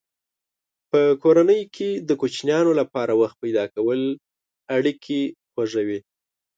په کورنۍ کې د کوچنیانو لپاره وخت پیدا کول اړیکې خوږوي.